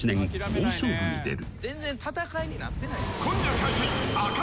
大勝負に出る］